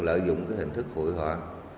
lợi dụng hình thức hội họa